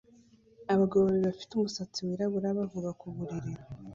Abagabo babiri bafite umusatsi wirabura bavuga ku buriri